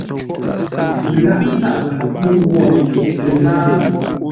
Lâʼ zághʼə ghwo məfuʼ tə nzáa.